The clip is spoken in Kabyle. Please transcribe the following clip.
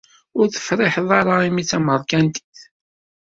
Ur tefṛiḥeḍ ara imi d tamerkantit?